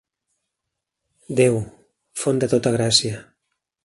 Déu, font de tota gràcia.